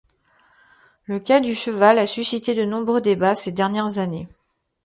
Le cas du cheval a suscité de nombreux débats ces dernières années.